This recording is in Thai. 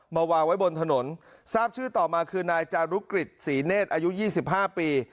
วางไว้บนถนนทราบชื่อต่อมาคือนายจารุกฤษศรีเนธอายุ๒๕ปี